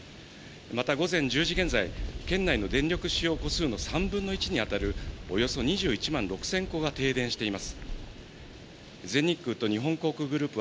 また午前１０時現在、県内の電力使用戸数の３分の１にあたる、およそ２１万６０００戸が停電しています。